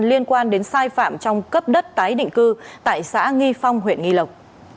liên quan đến sai phạm trong cấp đất tái định cư tại xã nghi phong huyện nghi lộc